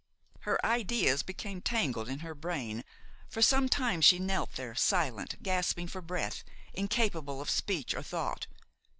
Her ideas became tangled in her brain; for some time she knelt there, silent, gasping for breath, incapable of speech or thought.